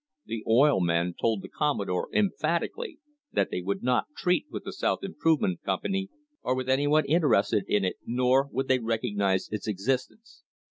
The oil men told the Commodore emphatically that they would not treat with the South Improvement Company or with anyone interested in it nor would they recognise its existence.